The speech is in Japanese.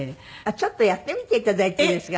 ちょっとやってみて頂いていいですか？